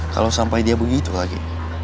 kalau sampai dia begitu lagi